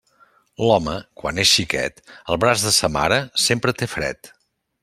L'home, quan és xiquet, al braç de sa mare, sempre té fred.